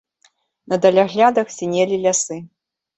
На даляглядах сінелі лясы.